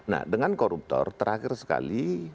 nah dengan koruptor terakhir sekali